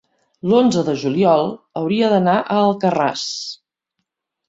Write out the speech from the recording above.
l'onze de juliol hauria d'anar a Alcarràs.